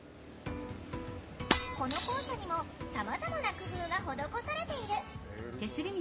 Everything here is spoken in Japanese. この校舎にもさまざまな工夫が施されている。